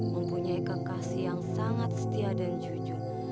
mempunyai kekasih yang sangat setia dan jujur